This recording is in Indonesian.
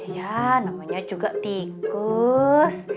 ya namanya juga tikus